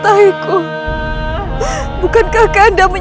jangan kembali lagi selamanya kesini